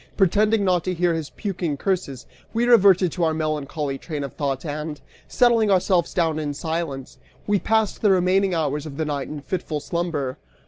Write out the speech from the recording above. Pretending not to hear his puking curses, we reverted to our melancholy train of thought and, settling ourselves down in silence, we passed the remaining hours of the night in fitful slumber.